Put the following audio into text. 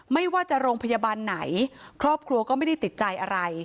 ไม่ว่าจะโรงพยาบาลไหนครอบครัวก็ไม่ได้ติดใจอะไร